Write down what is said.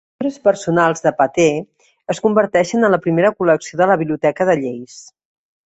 Els llibres personals de Pattee es converteixen en la primera col·lecció de la biblioteca de lleis.